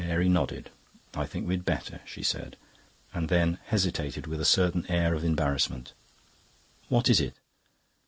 Mary nodded. "I think we had better," she said, and then hesitated, with a certain air of embarrassment. "What is it?"